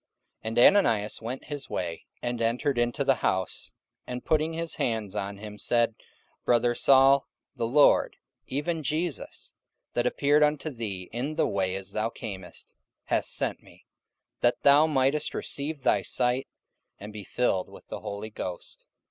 44:009:017 And Ananias went his way, and entered into the house; and putting his hands on him said, Brother Saul, the Lord, even Jesus, that appeared unto thee in the way as thou camest, hath sent me, that thou mightest receive thy sight, and be filled with the Holy Ghost.